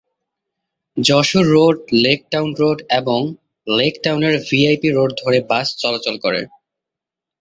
Jessore road, Lake Town road এবং Lake টাউনের VIP road ধরে বাস চলাচল করে।